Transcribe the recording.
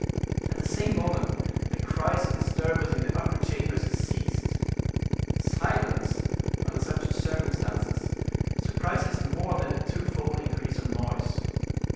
At the same moment the cries and disturbance in the upper chambers ceased. Silence, under such circumstances, surprises more than a twofold increase of noise.